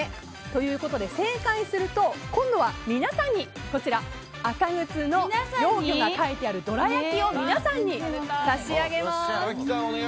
ということで正解すると今度は皆さんにこちらアカグツの幼魚が描いてあるどら焼きを皆さんに差し上げます。